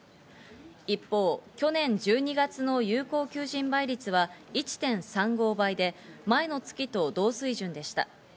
一方、去年１２月の有効求人倍率は１．３５倍で、前の月と同水準でした。